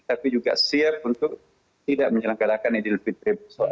tapi juga siap untuk tidak menyelenggarakan idul fitri